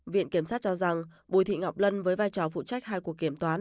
viện kiểm sát cho rằng bùi thị ngọc lân với vai trò phụ trách hai cuộc kiểm toán